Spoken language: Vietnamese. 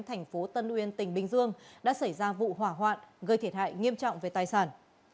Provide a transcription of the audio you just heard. thành phố tân uyên tỉnh bình dương đã xảy ra vụ hỏa hoạn gây thiệt hại nghiêm trọng về tài sản